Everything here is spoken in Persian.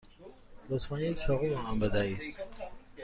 لطفا یک چاقو به من بدهید.